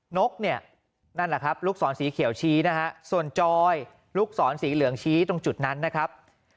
นกเนี่ยนั่นแหละครับลูกศรสีเขียวชี้นะฮะส่วนจอยลูกศรสีเหลืองชี้ตรงจุดนั้นนะครับ